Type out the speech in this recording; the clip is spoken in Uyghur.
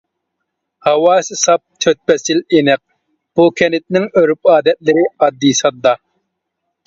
ھاۋاسى ساپ، تۆت پەسىل ئېنىق، بۇ كەنتنىڭ ئۆرپ-ئادەتلىرى ئاددىي-ساددا.